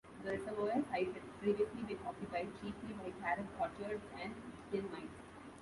The reservoir site had previously been occupied chiefly by carob orchards and tin mines.